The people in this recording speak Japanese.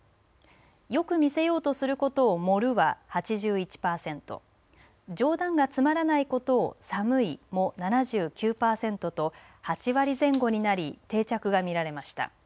よく見せようとすることを盛るは８１パーセント冗談がつまらないことを、寒いも７９パーセントと８割前後になり定着が見られました。